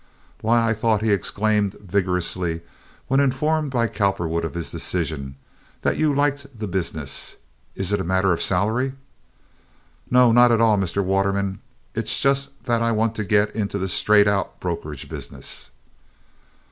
"Why, I thought," he exclaimed, vigorously, when informed by Cowperwood of his decision, "that you liked the business. Is it a matter of salary?" "No, not at all, Mr. Waterman. It's just that I want to get into the straight out brokerage business."